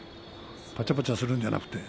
ぱちゃぱちゃするんじゃなくてね。